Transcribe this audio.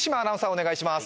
お願いします